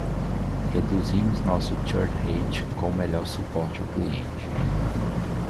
Reduzimos nossa churn rate com melhor suporte ao cliente.